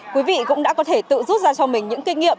quý vị cũng đã có thể tự rút ra cho mình những kinh nghiệm